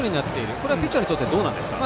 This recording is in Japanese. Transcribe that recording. これはピッチャーにとってはどうなんでしょうか。